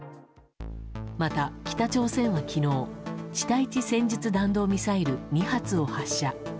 また、北朝鮮は昨日地対地戦術弾道ミサイル２発を発射。